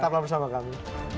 tetaplah bersama kami